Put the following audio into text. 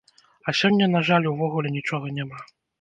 А сёння на жаль увогуле нічога няма.